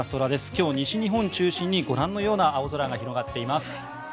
今日、西日本中心にご覧のような青空が広がっています。